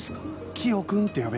「キヨ君」って呼べ。